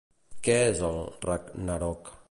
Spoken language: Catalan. Què és el Ragnarök?